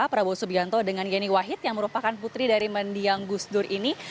prabowo subianto dengan yeni wahid yang merupakan putri dari mendiang gusdur ini